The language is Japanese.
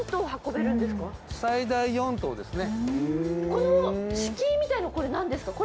この敷居みたいの何ですか？